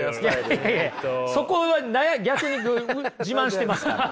いやいやそこは逆に自慢してますから。